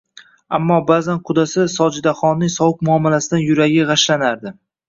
Ammo ba`zan qudasi Sojidaxonning sovuq muomalasidan yuragi g`ashlanardi